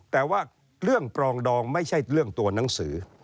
แต่ว่าเรื่องปรองดองไม่ใช่เรื่องตัวหนังสือ